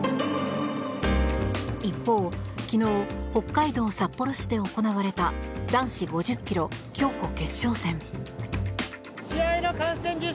一方、昨日北海道札幌市で行われた男子５０ｋｍ競歩決勝戦。